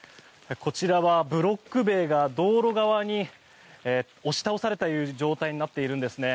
こちらはブロック塀が道路側に押し倒された状態になっているんですね。